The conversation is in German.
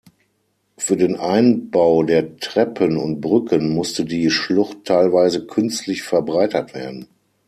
Für den Einbau der Treppen und Brücken musste die Schlucht teilweise künstlich verbreitert werden.